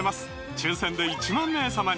抽選で１万名様に！